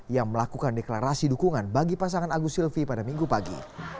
yang melakukan deklarasi dukungan bagi pasangan agus silvi pada minggu pagi